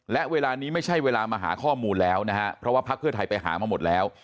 และเวลานี้ไม่ใช่เวลามาหาข้อมูลแล้วนะฮะเพราะว่าพักเพื่อไทยไปหามาหมดแล้ว